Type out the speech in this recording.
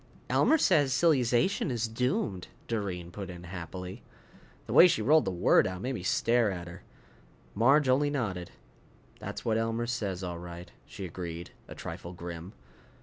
"Elmer says silly zation is doomed!" Doreen put in happily. The way she rolled the word out made me stare at her. Marge only nodded. "That's what Elmer says, all right," she agreed, a trifle grim.